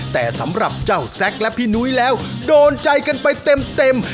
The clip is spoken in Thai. แต่สำหรับเจ้าแซ็กและพี่นุ้ยแล้วโดนใจกันไปเต็ม